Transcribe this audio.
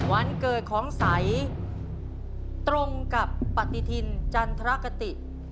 วันเกิดของใสตรงกับปฏิทินจันทรกติ